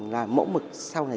là mẫu mực sau này